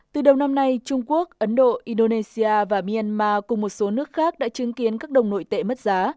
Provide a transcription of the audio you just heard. từ đầu năm nay trung quốc ấn độ indonesia và myanmar cùng một số nước khác đã chứng kiến các đồng nội tệ mất giá